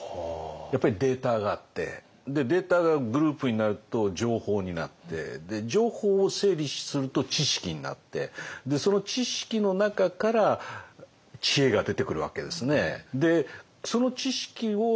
やっぱりデータがあってデータがグループになると情報になって情報を整理すると知識になってその知識の中から知恵が出てくるわけですね。